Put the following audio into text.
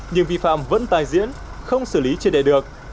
nhưng vi phạm vẫn tài diễn không xử lý triệt đề được